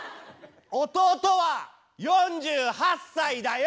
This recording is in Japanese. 弟は４８歳だよ！